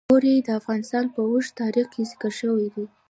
اوړي د افغانستان په اوږده تاریخ کې ذکر شوی دی.